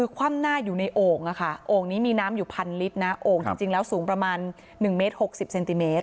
คว่ำหน้าอยู่ในโอ่งโอ่งนี้มีน้ำอยู่พันลิตรนะโอ่งจริงแล้วสูงประมาณ๑เมตร๖๐เซนติเมตร